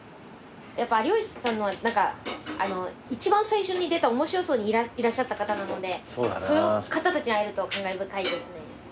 やっぱ有吉さんは一番最初に出た『おもしろ荘』にいらっしゃった方なのでその方たちに会えると感慨深いですね。